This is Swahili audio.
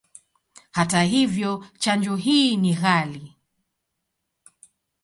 Hata hivyo, chanjo hii ni ghali.